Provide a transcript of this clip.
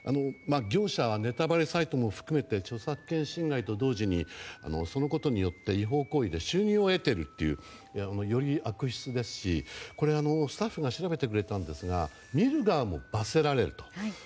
業者はネタバレサイトも含め著作権侵害と共にそのことによって違法行為で収入を得ているというより悪質ですし、スタッフが調べてくれたんですが見る側も罰せられると。